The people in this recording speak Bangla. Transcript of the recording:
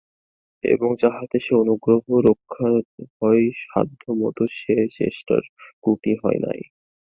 এবং যাহাতে সে অনুগ্রহ রক্ষা হয় সাধ্যমতো সে চেষ্টার ত্রুটি হয় নাই।